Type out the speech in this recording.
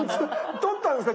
とったんですか？